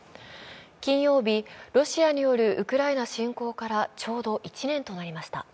金曜日、ロシアによるウクライナ侵攻からちょうど１年となりました。